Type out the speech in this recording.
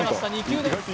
２球です